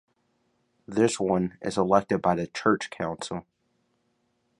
This one is elected by the Church Council.